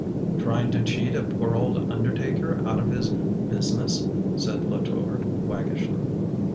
"Trying to cheat a poor old undertaker out of his business! " said Latour, waggishly.